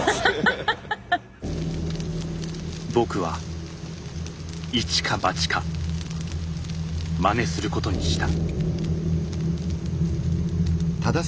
僕はいちかばちかまねすることにした。